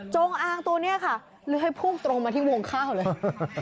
อางตัวนี้ค่ะเลื้อยพุ่งตรงมาที่วงข้าวเลย